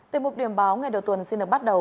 từ mục điểm báo ngày đầu tuần xin được bắt đầu